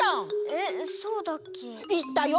えっそうだっけ？いったよ！